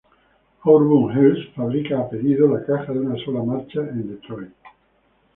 Auburn Hills fabrica a pedido la caja de una sola marcha en Detroit.